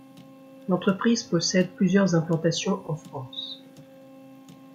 L'entreprise possède plusieurs implantations en France.